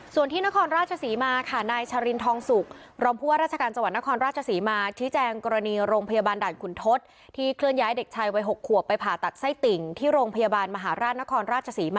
ส่วนที่นครราชศรีมาค่ะนายชะลินทองศุกร์